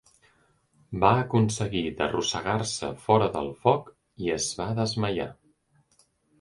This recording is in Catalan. Va aconseguir d'arrossegar-se fora del foc i es va desmaiar.